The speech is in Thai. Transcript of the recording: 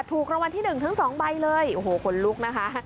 ถูกรางวัลที่๑ถึง๒ใบเลยโอ้โฮขนลุกนะคะ